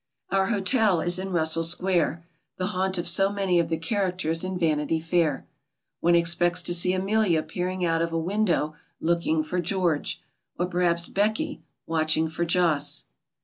Our hotel is in Russell Square, the haunt of so many of the characters in Vanity Fair. One expects to see Amelia peering out of a window locddng for George, or perhaps Becky watching for Jos.